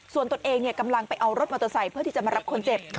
ส่วนตนเองกำลังไปเอารถมอเตอร์ไซค์เพื่อที่จะมารับคนเจ็บ